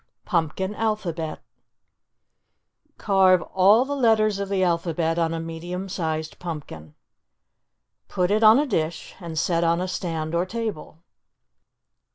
PUMPKIN ALPHABET Carve all the letters of the alphabet on a medium sized pumpkin. Put it on a dish and set on a stand or table.